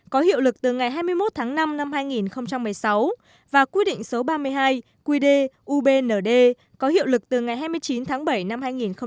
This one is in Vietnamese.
có hiệu lực từ ngày hai mươi một tháng năm năm hai nghìn một mươi sáu và quy định số ba mươi hai qd ubnd có hiệu lực từ ngày hai mươi chín tháng bảy năm hai nghìn một mươi chín